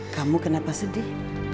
kamu kenapa sedih